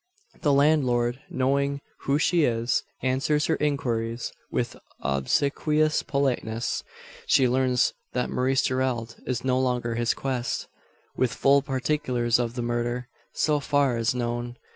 The landlord, knowing who she is, answers her inquiries with obsequious politeness. She learns that Maurice Gerald is no longer his guest, with "full particulars of the murder," so far as known.